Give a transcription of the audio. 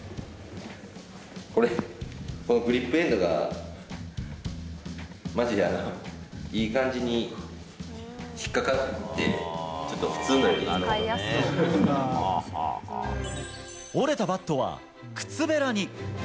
これ、このグリップエンドが、まじでいい感じに引っ掛かって、折れたバットは靴べらに。